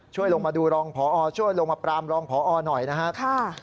ช่วยลงมาดูรองพอช่วยลงมาปรามรองพอหน่อยนะครับ